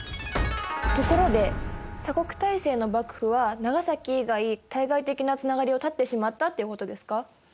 ところで鎖国体制の幕府は長崎以外対外的なつながりを絶ってしまったっていうことですか？